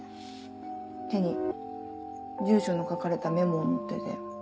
手に住所の書かれたメモを持ってて。